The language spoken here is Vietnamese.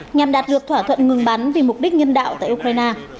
nhằm đạt được thỏa thuận ngừng bắn vì mục đích nhân đạo tại ukraine